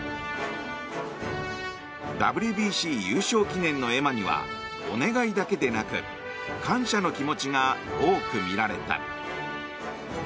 ＷＢＣ優勝記念の絵馬にはお願いだけでなく感謝の気持ちが多く見られた。